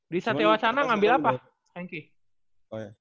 di satewacana ngambil apa